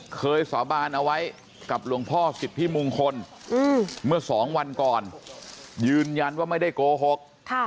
เคยสาบานเอาไว้กับหลวงพ่อศิษย์พี่มุงคลเมื่อ๒วันก่อนยืนยันว่าไม่ได้โกหก